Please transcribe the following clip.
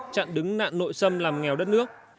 chặn đứng nạn nội xâm làm nghèo đất nước